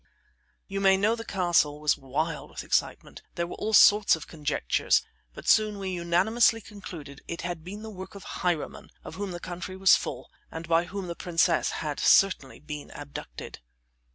You may know the castle was wild with excitement. There were all sorts of conjectures, but soon we unanimously concluded it had been the work of highwaymen, of whom the country was full, and by whom the princess had certainly been abducted.